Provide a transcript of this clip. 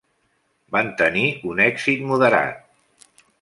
Van tenir un èxit moderat.